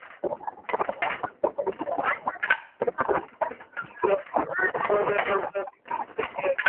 এখনো বিদ্যুৎকেন্দ্রের অনুমোদনই নিশ্চিত নায়, অথচ শেয়ারের দামে তার বিপুল প্রতিক্রিয়া।